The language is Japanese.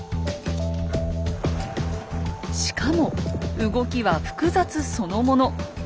しかも動きは複雑そのもの。